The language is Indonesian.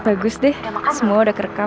bagus deh semua udah kerekam